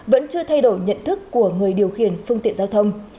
vẫn chưa thay đổi nhận thức của người điều khiển phương tiện giao thông